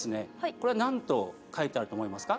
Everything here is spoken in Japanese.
これは何と書いてあると思いますか？